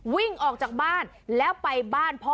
วิ่งออกจากบ้านแล้วไปบ้านพ่อ